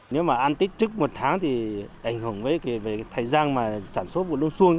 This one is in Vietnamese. nếu mà ăn tích trước một tháng thì ảnh hưởng về thời gian mà sản xuất vụ đông xuân